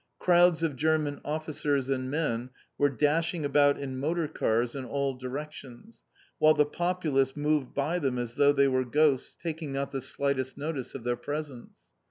Crowds of German officers and men were dashing about in motor cars in all directions, while the populace moved by them as though they were ghosts, taking not the slightest notice of their presence.